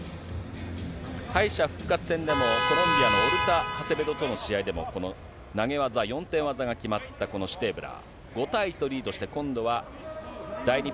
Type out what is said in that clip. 敗者復活戦でのコロンビアのオルタ・ハセベドとの試合でもこの投げ技、４点技が決まったこのシュテープラー。